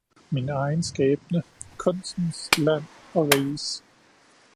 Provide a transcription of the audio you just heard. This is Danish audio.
min egen skæbne, kunstens, land og riges